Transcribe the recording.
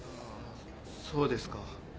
そうですか。